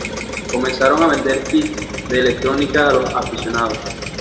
Comenzaron a vender kits de electrónica a los aficionados.